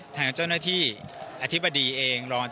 ทางเจ้าหน้าที่อธิบดีเองรอง